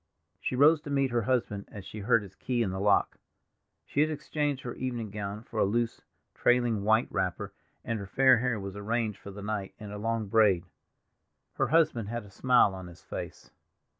She rose to meet her husband as she heard his key in the lock. She had exchanged her evening gown for a loose, trailing white wrapper, and her fair hair was arranged for the night in a long braid. Her husband had a smile on his face.